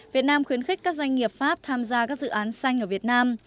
việt nam khuyến khích các doanh nghiệp pháp tham gia các dự án xanh ở việt nam